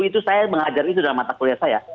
itu saya mengajar itu dalam mata kuliah saya